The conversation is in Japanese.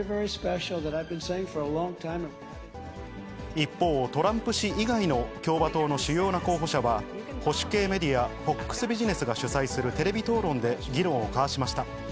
一方、トランプ氏以外の共和党の主要な候補者は、保守系メディア、ＦＯＸテレビが主催するテレビ討論で議論を交わしました。